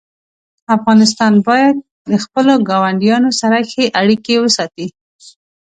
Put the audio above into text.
افغانستان باید د خپلو ګاونډیانو سره ښې اړیکې وساتي.